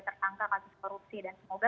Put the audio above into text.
tertangka kakit korupsi dan semoga